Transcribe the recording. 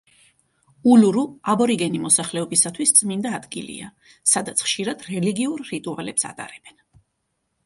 ულურუ აბორიგენი მოსახლეობისათვის წმინდა ადგილია, სადაც ხშირად რელიგიურ რიტუალებს ატარებენ.